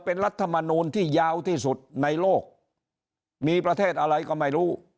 เป็นรัฐมนูลที่ยาวที่สุดในโลกมีประเทศอะไรก็ไม่รู้